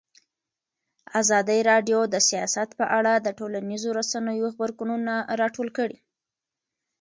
ازادي راډیو د سیاست په اړه د ټولنیزو رسنیو غبرګونونه راټول کړي.